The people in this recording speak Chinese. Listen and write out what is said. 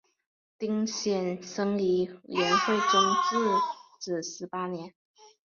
丁显生于元惠宗至正十八年。